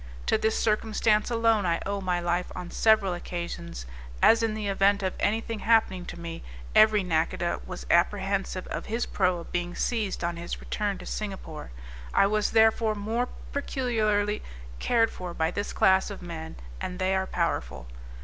To this circumstance alone I owe my life on several occasions, as in the event of any thing happening to me, every nacodah was apprehensive of his proa being seized on his return to Singapore; I was therefore more peculiarly cared for by this class of men, and they are powerful.